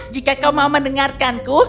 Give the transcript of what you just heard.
jika kau mau mendengarkanku